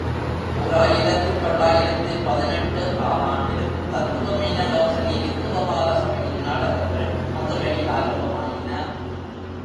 ஓர் ஆயிரத்து தொள்ளாயிரத்து பதினெட்டு ஆம்ஆண்டில் தத்துவ மீனலோசனி வித்துவ பால சபையின் நாடகங்கள் மதுரையில் ஆரம்பமாயின.